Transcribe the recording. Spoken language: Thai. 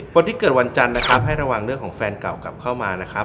คนที่เกิดวันจันทร์นะครับให้ระวังเรื่องของแฟนเก่ากลับเข้ามานะครับ